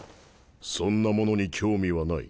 そんなものに興味はない